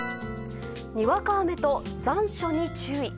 にわか雨と残暑に注意。